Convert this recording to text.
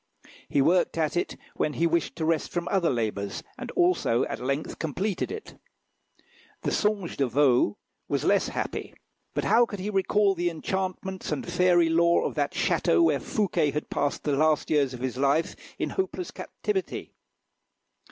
He worked at it when he wished to rest from other labours, and also at length completed it. The "Songe de Vaux" was less happy; but how could he recall the enchantments and fairy lore of that château where Fouquet had passed the last years of his life in hopeless captivity?